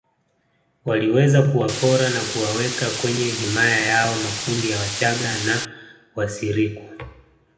Waliweza kuwapora na kuwaweka kwenye himaya yao makundi ya wachaga na Wasirikwa